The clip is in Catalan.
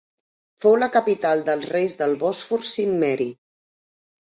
Fou la capital dels reis del Bòsfor Cimmeri.